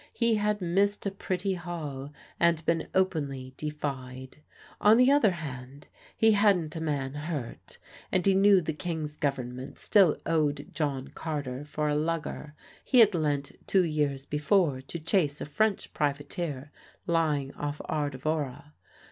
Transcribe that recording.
He had missed a pretty haul and been openly defied. On the other hand he hadn't a man hurt, and he knew the King's Government still owed John Carter for a lugger he had lent two years before to chase a French privateer lying off Ardevora.